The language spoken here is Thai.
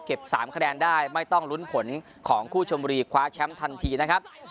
๓คะแนนได้ไม่ต้องลุ้นผลของคู่ชมบุรีคว้าแชมป์ทันทีนะครับ